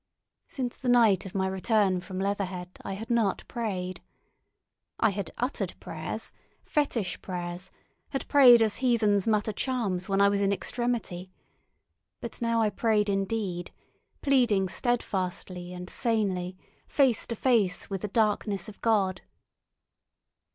Since the night of my return from Leatherhead I had not prayed. I had uttered prayers, fetish prayers, had prayed as heathens mutter charms when I was in extremity; but now I prayed indeed, pleading steadfastly and sanely, face to face with the darkness of God.